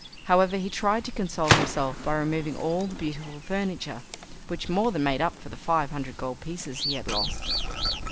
However, he tried to console himself by removing all the beautiful furniture, which more than made up for the five hundred gold pieces he had lost.